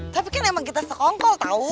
tapi kan emang kita sekongkol tau